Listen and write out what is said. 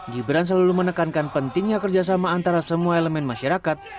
gibran selalu menekankan pentingnya kerjasama antara semua elemen masyarakat